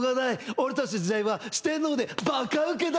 俺たちの時代は四天王でバカウケだ！